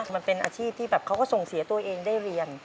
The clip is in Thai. มันเป็นอาชีพที่แบบเขาก็ส่งเสียตัวเองได้เรียน